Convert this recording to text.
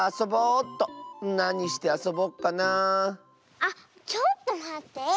あっちょっとまって。